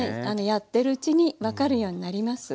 やってるうちに分かるようになります。